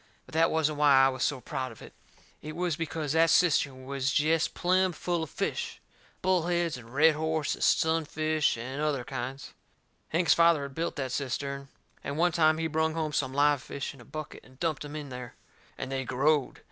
But that wasn't why I was so proud of it. It was because that cistern was jest plumb full of fish bullheads and red horse and sunfish and other kinds. Hank's father had built that cistern. And one time he brung home some live fish in a bucket and dumped em in there. And they growed.